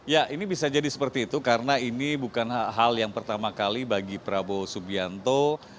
ya ini bisa jadi seperti itu karena ini bukan hal yang pertama kali bagi prabowo subianto